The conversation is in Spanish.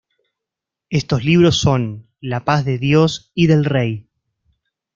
Estos libros son: "La paz de Dios y del Rey.